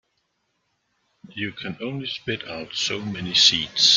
You can only spit out so many seeds.